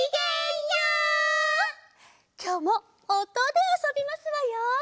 きょうもおとであそびますわよ。